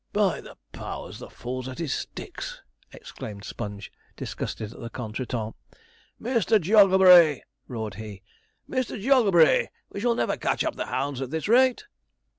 'By the powers, the fool's at his sticks!' exclaimed Sponge, disgusted at the contretemps. 'Mister Jogglebury!' roared he, 'Mister Jogglebury, we shall never catch up the hounds at this rate!'